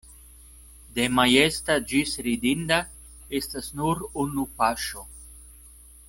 De majesta ĝis ridinda estas nur unu paŝo.